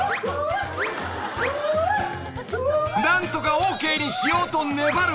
［何とかＯＫにしようと粘る］